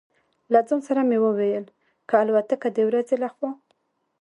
له ځان سره مې وویل: که الوتکه د ورځې له خوا.